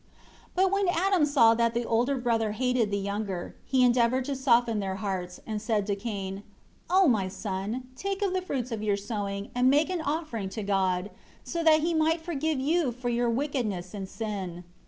1 But when Adam saw that the older brother hated the younger, he endeavored to soften their hearts, and said to Cain, "O my son, take of the fruits of your sowing and make an offering to God, so that He might forgive you for your wickedness and sin."